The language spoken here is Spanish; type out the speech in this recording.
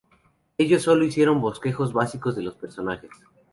Ellos sólo hicieron bosquejos básicos de los personajes.